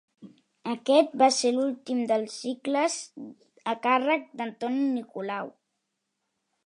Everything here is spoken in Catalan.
Aquest va ser l’últim dels cicles a càrrec d’Antoni Nicolau.